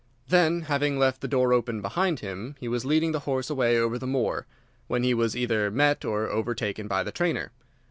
Then, having left the door open behind him, he was leading the horse away over the moor, when he was either met or overtaken by the trainer.